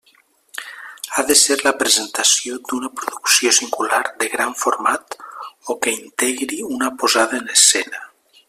Ha de ser la presentació d'una producció singular de gran format o que integri una posada en escena.